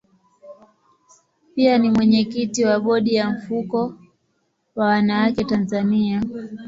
Pia ni mwenyekiti wa bodi ya mfuko wa wanawake Tanzania.